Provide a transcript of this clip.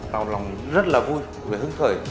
tao lòng rất là vui và hứng khởi